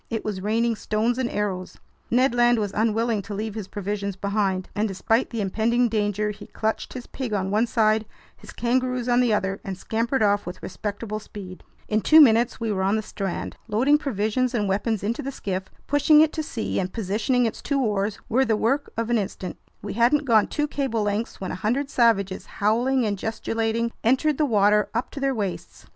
It was raining stones and arrows. Ned Land was unwilling to leave his provisions behind, and despite the impending danger, he clutched his pig on one side, his kangaroos on the other, and scampered off with respectable speed. In two minutes we were on the strand. Loading provisions and weapons into the skiff, pushing it to sea, and positioning its two oars were the work of an instant. We hadn't gone two cable lengths when a hundred savages, howling and gesticulating, entered the water up to their waists.